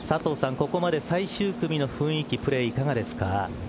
ここまで最終組の雰囲気プレーいかがですか。